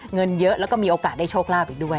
เงินเยอะแล้วก็มีโอกาสได้โชคลาภอีกด้วย